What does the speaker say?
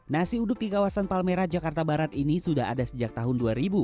nasi uduk di kawasan palmerah jakarta barat ini sudah ada sejak tahun dua ribu